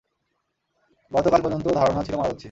গত কাল পর্যন্ত ধারণা ছিল মারা যাচ্ছি।